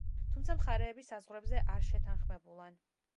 თუმცა მხარეები საზღვრებზე არ შეთანხმებულან.